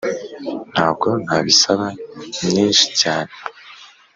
ntabwo nabisaba nyinshi cyane .